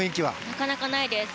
なかなかないです。